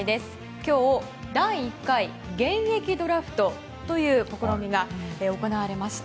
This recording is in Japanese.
今日第１回現役ドラフトという試みが行われました。